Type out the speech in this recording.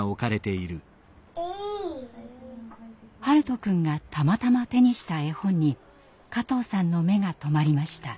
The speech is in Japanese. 大翔くんがたまたま手にした絵本に加藤さんの目が留まりました。